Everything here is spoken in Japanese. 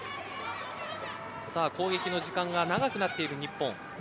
攻撃の時間が長くなっている日本。